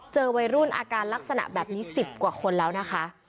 เจอวัยรุ่นอาการลักษณะแบบนี้๑๐กว่าคนแล้วนะคะ